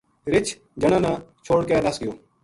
رِچھ جنا نا چھوڈ کے نَس گیو